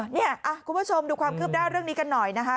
คุณผู้ชมดูความคืบหน้าเรื่องนี้กันหน่อยนะคะ